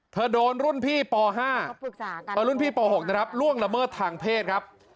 เธอโดนรุ่นพี่ป๕รุ่นพี่ป๖ล่วงละเมิดทางเพศครับ